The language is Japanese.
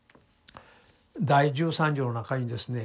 第十三条の中にですね